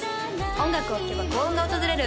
音楽を聴けば幸運が訪れる